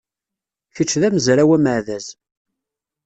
Kečč d amezraw ameɛdaz.